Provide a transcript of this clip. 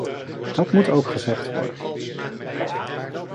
Dat moet ook gezegd worden.